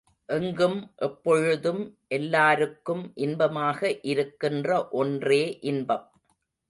எங்கும் எப்பொழுதும் எல்லாருக்கும் இன்பமாக இருக்கின்ற ஒன்றே இன்பம்.